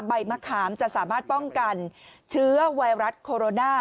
ใบมะขามจะสามารถป้องกันเชื้อไวรัสโคโรนา